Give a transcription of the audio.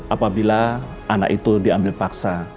apabila anak itu diambil paksa